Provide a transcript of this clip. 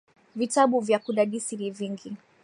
Vitabu vya kudadisi ni vingi.